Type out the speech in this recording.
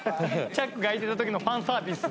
チャックが空いてた時のファンサービス。